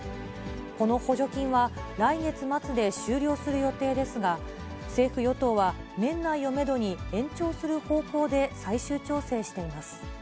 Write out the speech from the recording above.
この補助金は来月末で終了する予定ですが、政府・与党は年内をメドに延長する方向で最終調整しています。